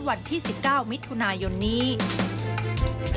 วันที่๑๙มิถุนายนนี้